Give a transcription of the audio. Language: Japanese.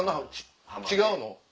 違うの？